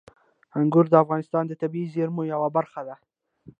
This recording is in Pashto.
انګور د افغانستان د طبیعي زیرمو یوه برخه ده.